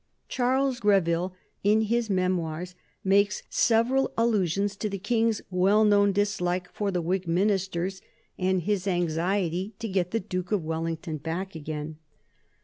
Charles Greville in his Memoirs makes several allusions to the King's well known dislike for the Whig ministers and his anxiety to get the Duke of Wellington back again.